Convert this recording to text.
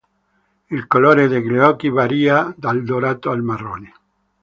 Il colore degli occhi varia dal dorato al marrone.